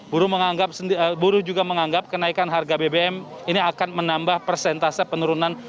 buruh menganggap buruh juga menganggap kenaikan harga bbm ini akan menambah persentase penurunan